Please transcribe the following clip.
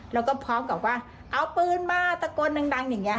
แล้วก็พร้อมกับว่าเอาปืนมาตะโกนดังอย่างนี้